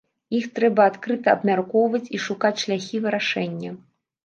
Іх трэба адкрыта абмяркоўваць і шукаць шляхі вырашэння.